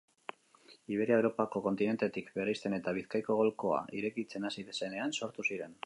Iberia Europako kontinentetik bereizten eta Bizkaiko golkoa irekitzen hasi zenean sortu ziren.